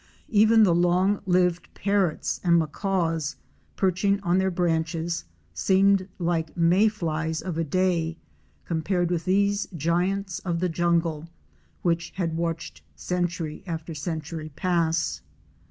Even the long lived Parrots and Macaws perching on their branches seemed like may flies of a day compared with these giants of the jungle, which had watched century upon century pass.